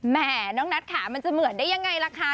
แม่น้องนัทค่ะมันจะเหมือนได้ยังไงล่ะคะ